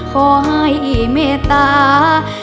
ขอให้เมตตา